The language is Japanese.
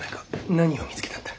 何を見つけたんだ？